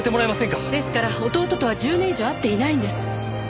ですから弟とは１０年以上会っていないんです。